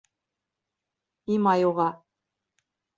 Имай уға: